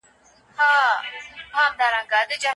هغوی چې هدف نه لري ستاسې وخت ضایع کوي.